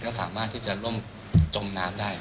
ก็สามารถที่จะล่มจมน้ำได้